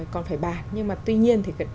còn phải bàn nhưng mà tuy nhiên thì